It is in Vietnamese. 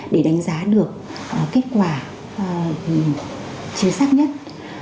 để đánh giá được kết quả chính xác nhất